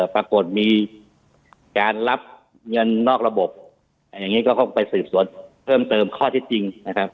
ปรากฏมีการรับเงินนอกระบบอย่างนี้ก็ต้องไปสืบสวนเพิ่มเติมข้อที่จริงนะครับ